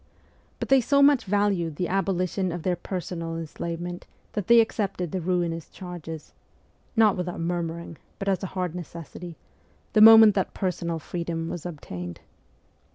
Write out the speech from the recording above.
But they so much valued the abolition of their personal enslavement that they accepted the ruinous charges not without murmuring, but as a hard necessity the moment that personal freedom was obtained.